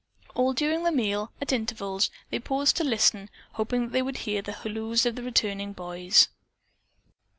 All during the meal, at intervals, they paused to listen, hoping that they would hear the halloos of the returning boys.